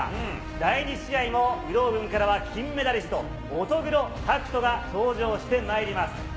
第２試合も、有働軍からは金メダリスト、乙黒拓斗が登場してまいります。